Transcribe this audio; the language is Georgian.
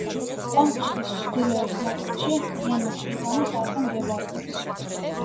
კონცხის ჩრდილოეთ ნაწილში, ზემო შირვანის არხი მდებარეობს.